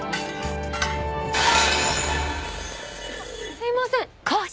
すいません！